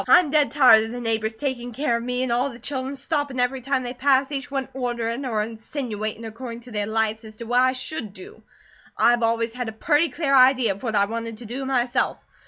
I'm dead tired of the neighbours taking care of me, and all of the children stoppin' every time they pass, each one orderin' or insinuatin' according to their lights, as to what I should do. I've always had a purty clear idea of what I wanted to do myself.